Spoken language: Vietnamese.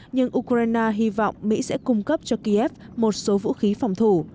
nhưng ukraine hy vọng mỹ sẽ cung cấp cho kiev một số vũ khí phòng thủ